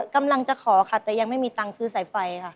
กำลังจะขอค่ะแต่ยังไม่มีตังค์ซื้อสายไฟค่ะ